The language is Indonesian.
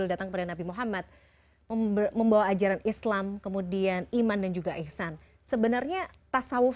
datang kepada nabi muhammad membawa ajaran islam kemudian iman dan juga ihsan sebenarnya tasawuf